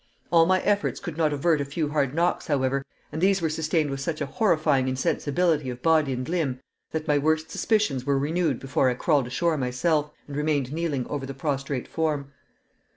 All my efforts could not avert a few hard knocks, however, and these were sustained with such a horrifying insensibility of body and limb, that my worst suspicions were renewed before I crawled ashore myself, and remained kneeling over the prostrate form.